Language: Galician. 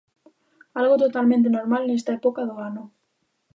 Algo totalmente normal nesta época do ano.